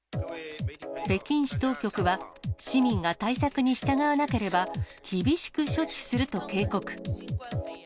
北京市当局は、市民が対策に従わなければ、厳しく処置すると警告。